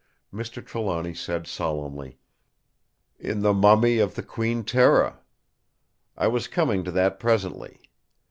Mr. Trelawny said solemnly: "In the mummy of the Queen Tera! I was coming to that presently.